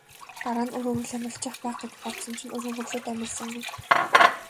Дараа нь үр хөврөл амилчих байх гэж бодсон чинь үр хөврөлүүд амилсангүй.